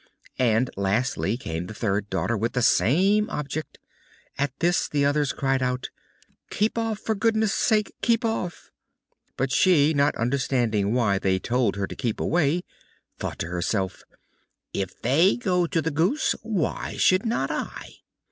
And lastly came the third daughter with the same object. At this the others cried out, "Keep off, for goodness' sake, keep off!" But she, not understanding why they told her to keep away, thought to herself, "If they go to the goose, why should not I?"